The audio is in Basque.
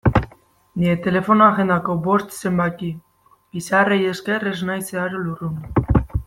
Nire telefono-agendako bost zenbaki izarrei esker ez naiz zeharo lurrundu.